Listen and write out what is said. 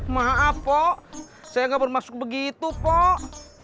maaf pok saya enggak bermaksud begitu pok